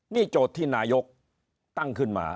นี่โจทย์ที่นายกตั้งขึ้นมา